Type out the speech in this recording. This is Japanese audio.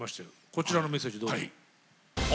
こちらのメッセージどうぞ。